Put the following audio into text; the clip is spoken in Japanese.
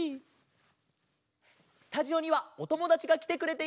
スタジオにはおともだちがきてくれています。